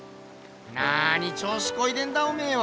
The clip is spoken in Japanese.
なあに調子こいてんだおめえは。